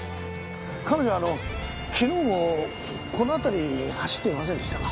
彼女あの昨日もこの辺り走っていませんでしたか？